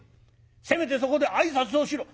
せめてそこで挨拶をしろ。